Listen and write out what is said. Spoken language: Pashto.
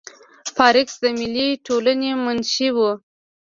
پارکس د ملي ټولنې منشي وه.